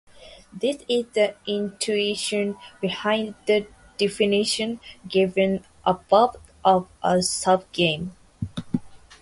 This is the intuition behind the definition given above of a subgame.